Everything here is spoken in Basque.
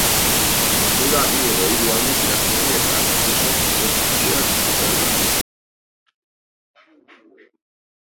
Hura bi edo hiru aldiz irakurri eta Rekexok ez zuen ezer ulertu.